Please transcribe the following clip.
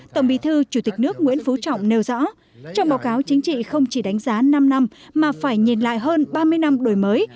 tổng bí thư chủ tịch nước nguyễn phú trọng nêu rõ trong báo cáo chính trị không chỉ đánh giá năm năm mà phải nhìn lại hơn ba mươi năm đổi mới